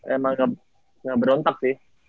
emang gak berontak sih